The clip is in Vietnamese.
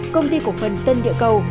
công ty cổ phần tân địa cầu